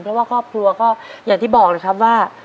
เพราะว่าครอบครัวก็อย่างที่บอกนะครับว่า